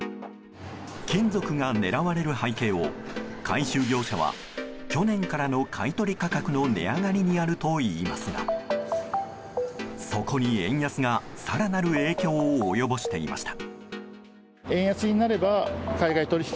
金属が狙われる背景を回収業者は去年からの買い取り価格の値上がりにあるといいますがそこに円安が更なる影響を及ぼしていました。